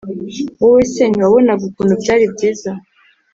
Wowe se ntiwabonaga ukuntu byari byiza?